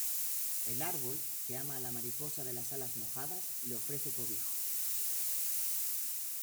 El árbol, que ama a la mariposa de las alas mojadas, le ofrece cobijo.